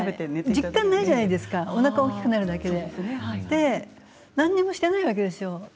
実感がないじゃないですかおなかが大きくなるだけで何もしていないんですよ